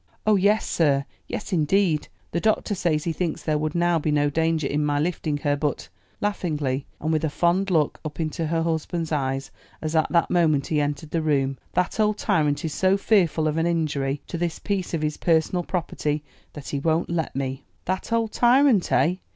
"Oh, yes, sir; yes, indeed! The doctor says he thinks there would now be no danger in my lifting her, but " laughingly, and with a fond look up into her husband's eyes, as at that moment he entered the room, "that old tyrant is so fearful of an injury to this piece of his personal property, that he won't let me." "That old tyrant, eh?"